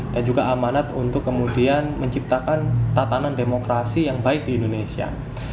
dan juga amanat untuk kemudian menciptakan tatanan demokrasi yang baik di indonesia